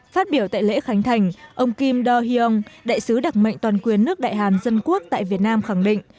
phát biểu tại lễ khánh thành ông kim do hyong đại sứ đặc mệnh toàn quyền nước đại hàn dân quốc tại việt nam khẳng định